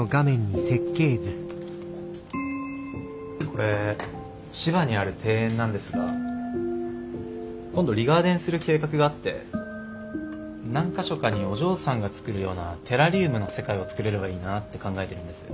これ千葉にある庭園なんですが今度リガーデンする計画があって何か所かにお嬢さんが作るようなテラリウムの世界を作れればいいなって考えてるんです。